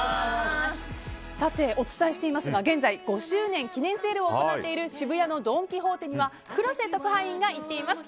さて、お伝えしていますが現在５周年記念セールを行っている渋谷のドン・キホーテには黒瀬特派員が行っています。